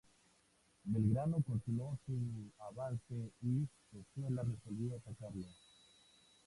Belgrano continuó su avance y Pezuela resolvió atacarlo.